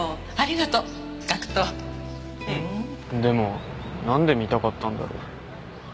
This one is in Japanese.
でもなんで見たかったんだろ？